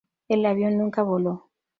El avión nunca voló.